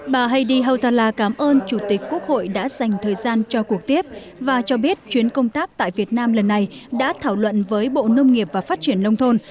bà heidi hautala cảm ơn chủ tịch quốc hội đã dành thời gian cho cuộc tiếp và cho biết chuyến công tác tại việt nam lần này đã thảo luận với bộ nông nghiệp và phát triển nông thôn